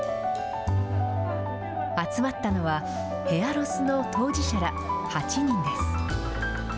集まったのは、ヘアロスの当事者ら８人です。